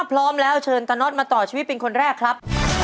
พร้อมแล้วเชิญตาน็อตมาต่อชีวิตเป็นคนแรกครับ